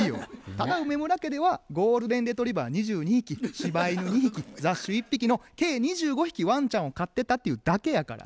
ただ梅村家ではゴールデンレトリバー２２匹しば犬２匹雑種１匹の計２５匹わんちゃんを飼ってたっていうだけやから。